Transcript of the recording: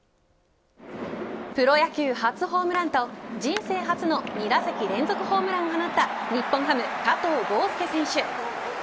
プロ野球初ホームランと人生初の２打席連続ホームランを放った日本ハム、加藤豪将選手。